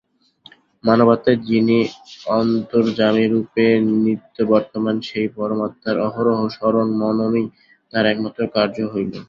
মানবাত্মায় যিনি অন্তর্যামিরূপে নিত্যবর্তমান, সেই পরমাত্মার অহরহ স্মরণ-মননই তাঁহার একমাত্র কার্য হইল।